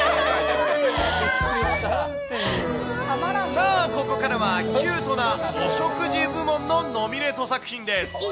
さあ、ここからはキュートなお食事部門のノミネート作品です。